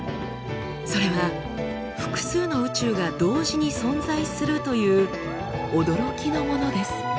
それは複数の宇宙が同時に存在するという驚きのものです。